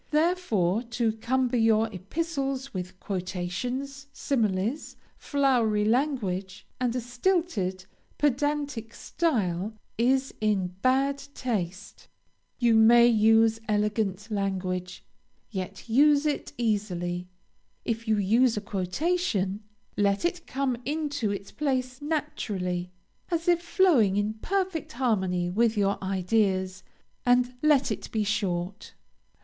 Therefore to cumber your epistles with quotations, similes, flowery language, and a stilted, pedantic style, is in bad taste. You may use elegant language, yet use it easily. If you use a quotation, let it come into its place naturally, as if flowing in perfect harmony with your ideas, and let it be short.